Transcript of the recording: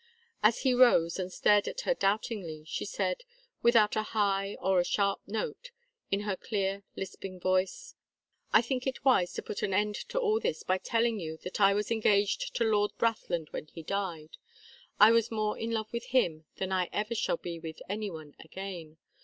As he rose and stared at her doubtingly, she said, without a high or a sharp note, in her clear lisping voice: "I think it wise to put an end to all this by telling you that I was engaged to Lord Brathland when he died. I was more in love with him than I ever shall be with any one again.